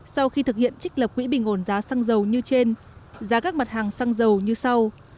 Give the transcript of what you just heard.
sau khi thực hiện trích lập quỹ bình ổn giá xăng dầu như trên giá các mặt hàng xăng dầu như sau